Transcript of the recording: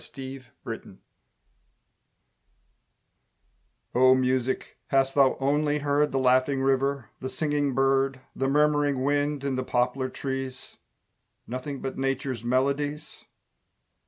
STORM MUSIC O Music hast thou only heard The laughing river, the singing bird, The murmuring wind in the poplar trees, Nothing but Nature's melodies?